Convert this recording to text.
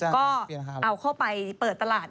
ก็เอาเข้าไปเปิดตลาด